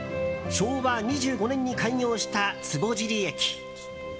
昭和２５年に開業した坪尻駅。